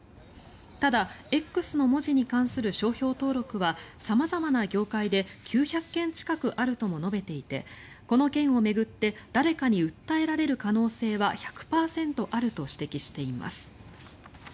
ただ、Ｘの文字に関する商標登録は様々な業界で９００件近くあるとも述べていてこの件を巡って誰かに訴えられる可能性は１００％あると指摘しています。